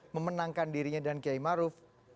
memenangkan dirinya dan kiai maruf